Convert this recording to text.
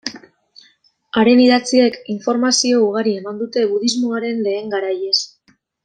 Haren idatziek informazio ugari eman dute budismoaren lehen garaiez.